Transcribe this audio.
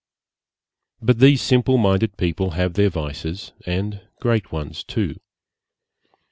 But these simple minded people have their vices, and great ones too.